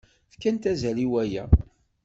Fkant azal i waya.